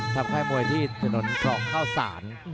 มาทำค่ายมวยที่จนภรรภ์เข้าสาร